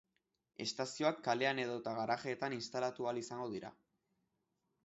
Estazioak kalean edota garajeetan instalatu ahal izango dira.